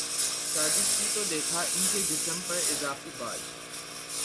شادی کی تو دیکھا کہ ان کے جسم پراضافی بال